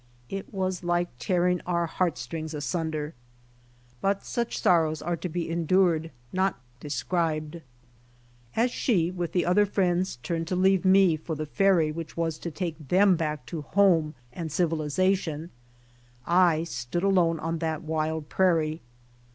It was like tearing our heart strings asunder. But such sorrows are to be endured not described. As she with the other friends turned to leave me for the ferry which was to take them back to home and civilization, I stood alone on that wild prairie.